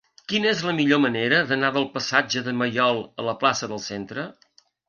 Quina és la millor manera d'anar del passatge de Maiol a la plaça del Centre?